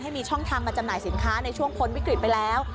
มีช่องทางมาจำหน่ายสินค้าในช่วงพ้นวิกฤตไปแล้ว